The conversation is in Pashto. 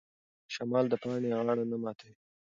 شمال د پاڼې غاړه نه ماتوي.